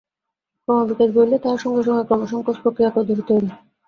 ক্রমবিকাশ বলিলেই তাহার সঙ্গে সঙ্গে ক্রমসঙ্কোচ-প্রক্রিয়াকেও ধরিতে হইবে।